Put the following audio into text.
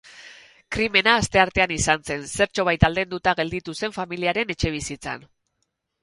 Krimena asteartean izan zen, zertxobait aldenduta gelditzen zen familiaren etxebizitzan.